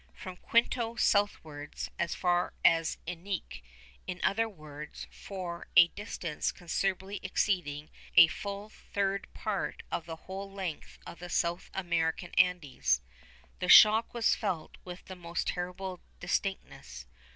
From Quito southwards as far as Iquique—or, in other words, for a distance considerably exceeding a full third part of the whole length of the South American Andes—the shock was felt with the most terrible distinctness.